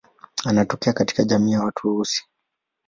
Anatokea katika jamii ya watu weusi.